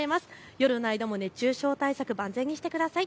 夜の間も熱中症対策、万全にしてください。